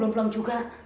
belum pulang juga